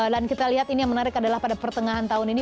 dan kita lihat ini yang menarik adalah pada pertengahan tahun ini